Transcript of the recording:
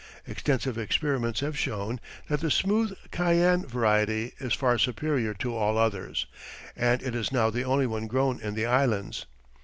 Extensive experiments have shown that the Smooth Cayenne variety is far superior to all others, and it is now the only one grown in the Islands.